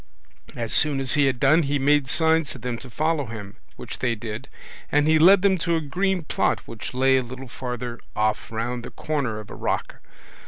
As soon as he had done he made signs to them to follow him, which they did, and he led them to a green plot which lay a little farther off round the corner of a rock.